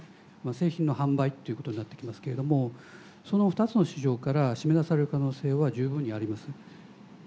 製品の販売っていうことになってきますけれどもその２つの市場から締め出される可能性は十分にあります。